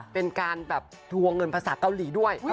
เป็นการแบบทวงเงินภาษาเกาหลีด้วย